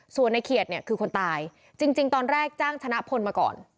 ส่วนในเขียดเนี่ยคือคนตายจริงตอนแรกจ้างชนะพลมาก่อน